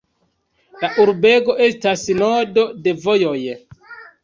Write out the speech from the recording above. La urbego estas nodo de vojoj.